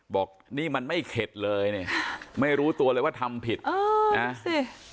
บอกนี่มันไม่เข็ดเลยเนี่ยไม่รู้ตัวเลยว่าทำผิดเออนะสิ